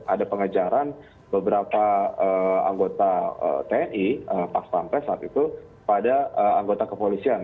ada pengejaran beberapa anggota tni pas pampres saat itu pada anggota kepolisian